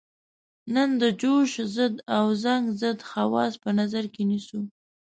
نن د جوش ضد او زنګ ضد خواص په نظر کې نیسو.